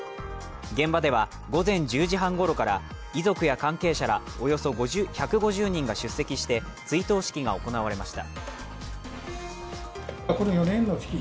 現場では、午前１０時半ごろから遺族や関係者らおよそ１５０人が出席して、追悼式が行われました。